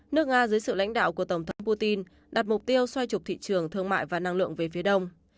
nước nga dưới sự lãnh đạo của tổng thống putin đặt mục tiêu xoay trục thị trường thương mại và năng lượng về phía đông